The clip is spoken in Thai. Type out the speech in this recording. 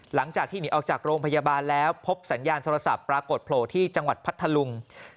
หลังจากที่หนีออกจากโรงพยาบาลแล้วพบสัญญาณโทรศัพท์ปรากฏโผล่ที่จังหวัดพัทธลุง